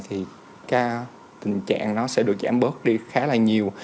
thì cái tình trạng nó sẽ được giảm bớt đi khá là nhiều